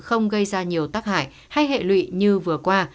không gây ra nhiều tác hại hay hệ lụy như vừa qua